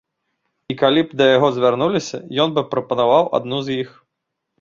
І калі б да яго звярнуліся, ён бы прапанаваў адну з іх.